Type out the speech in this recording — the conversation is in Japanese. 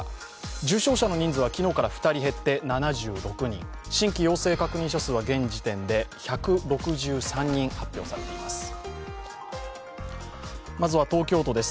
重症者の人数は昨日から２人減って７６人、新規陽性確認者数は現時点で１６３人確認されています。